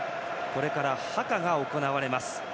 これからハカが行われます。